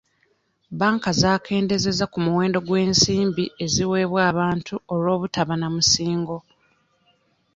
Banka zaakendeeza ku muwendo gw'ensimbi eziweebwa abantu olw'obutaba na musingo.